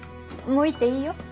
もう行っていいよ。